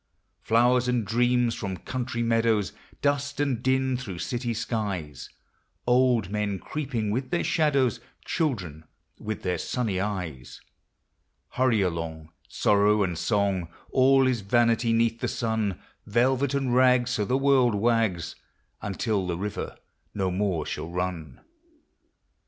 Flowers and dreams from country meadows, Dust and din through city skies, Old men creeping with their shadows, Children with their sunny eyes, — Hurry along, sorrow and song, All is vanity 'neath the sun ; Velvet and rags, so the world wags, Until the river no more shall run.